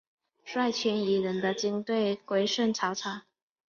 率千余人的军队归顺曹操。